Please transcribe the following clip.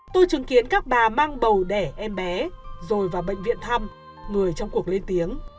tôi chứng kiến các bà mang bầu đẻ em bé rồi vào bệnh viện thăm người trong cuộc lên tiếng